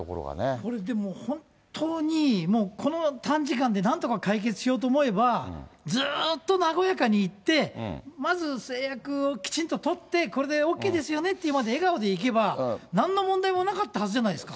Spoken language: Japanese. これでも、本当にもうこの短時間でなんとか解決しようと思えば、ずっと和やかに行って、まず誓約をきちんと取って、これでＯＫですよねってまで笑顔で行けば、なんの問題もなかったはずじゃないですか。